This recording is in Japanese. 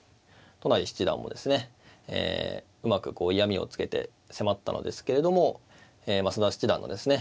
うまくこう嫌みをつけて迫ったのですけれども増田七段のですね